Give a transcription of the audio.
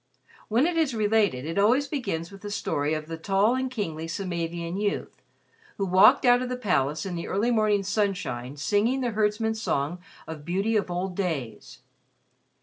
When it is related, it always begins with the story of the tall and kingly Samavian youth who walked out of the palace in the early morning sunshine singing the herdsmen's song of beauty of old days.